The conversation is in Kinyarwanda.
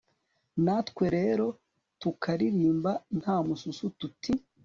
natwe rero tukaririmba nta mususu tuti